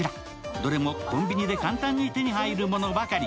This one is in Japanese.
どれもコンビニで簡単に手に入るものばかり。